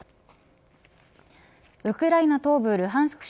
ウクライナ東部ルハンスク